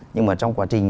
nhưng mà trong quá trình